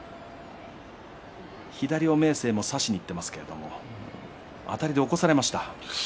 明生左を差しにいっていますがあたりで起こされました。